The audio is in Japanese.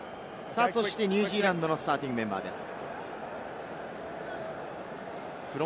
そしてニュージーランドのスターティングメンバーです。